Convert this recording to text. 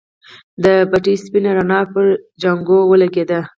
د بتۍ سپينه رڼا پر جانکو ولګېده.